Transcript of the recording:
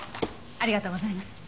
ありがとうございます。